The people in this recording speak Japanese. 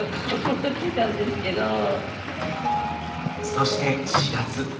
そして４月。